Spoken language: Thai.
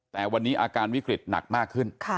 แต่วันนี้อาการวิกฤตหนักมากขึ้น